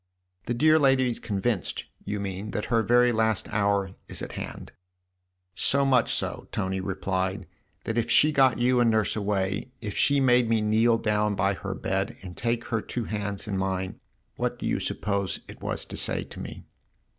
"The dear lady is convinced, you mean, that her very last hour is at hand ?"" So much so," Tony replied, " that if she got you and Nurse away, if she made me kneel down by her bed and take her two hands in mine, what do you suppose it was to say to me